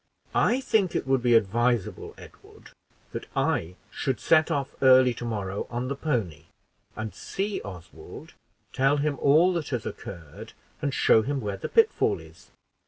"I think it would be advisable, Edward, that I should set off early to morrow on the pony, and see Oswald, tell him all that has occurred, and show him where the pitfall is."